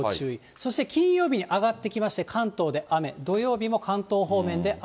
そして、金曜日に上がってきまして、関東で雨、土曜日も関東方面で雨。